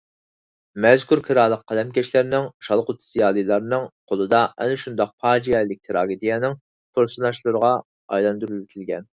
مەزكۇر كىرالىق قەلەمكەشلەرنىڭ، شالغۇت زىيالىيلارنىڭ قولىدا ئەنە شۇنداق پاجىئەلىك تىراگېدىيەنىڭ پېرسوناژلىرىغا ئايلاندۇرۇۋېتىلگەن.